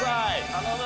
頼む！